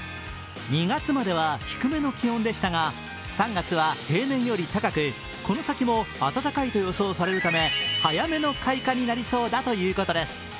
２月までは低めの気温でしたが３月は平年より高くこの先も暖かいと予想されるため早めの開花になりそうだということです。